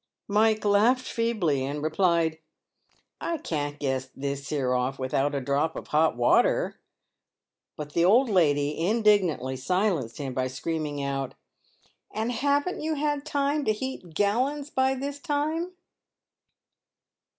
Mike laughed feebly, and replied, " I can't get this here off with out a drop of hot water." But the old lady indignantly silenced him, 96 PAVED WITH GOLD. by screaming out, "And haven't you had time to heat gallins by this time